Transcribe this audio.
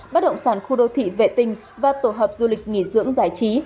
bất động sản khu đô thị vệ tinh và tổ hợp du lịch nghỉ dưỡng giải trí